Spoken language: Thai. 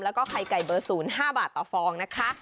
แล้วก็ไข่ไก่เบอร์๐๕บาทต่อฟองนะคะ